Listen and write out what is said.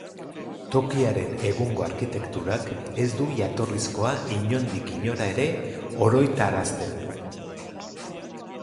Tokiaren egungo arkitekturak, ez du jatorrizkoa inondik inora ere oroitarazten.